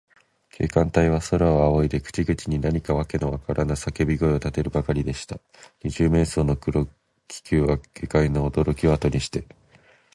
警官隊は、空をあおいで、口々に何かわけのわからぬさけび声をたてるばかりでした。二十面相の黒軽気球は、下界のおどろきをあとにして、